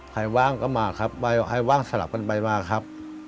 ใครว่างก็มาครับใครว่างสลับกันไปมาครับ